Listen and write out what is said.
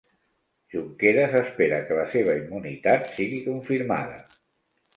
Junqueras espera que la seva immunitat sigui confirmada